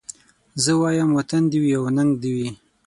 زه وايم وطن دي وي او ننګ دي وي